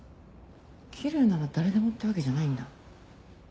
きれいなら誰でもってわけじゃないんだ。